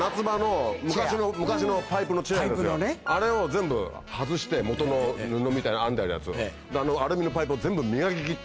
あれを全部外して元の布みたいな編んであるやつを。